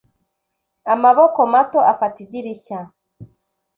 amaboko mato afata idirishya